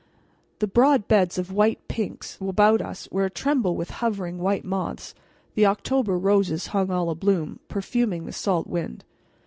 The broad beds of white pinks about us were atremble with hovering white moths; the October roses hung all abloom, perfuming the salt wind.